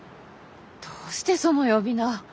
どうしてその呼び名。